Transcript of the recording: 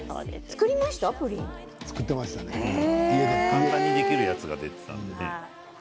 簡単にできるやつがあったからね。